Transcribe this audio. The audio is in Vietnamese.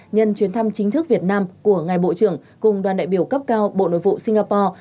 nhân chuyến thăm chính thức việt nam của ngài bộ trưởng cùng đoàn đại biểu cấp cao bộ nội vụ singapore